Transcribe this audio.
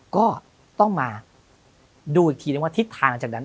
ก็ต้องมาดูอีกทีนึงว่าทิศทางหลังจากนั้น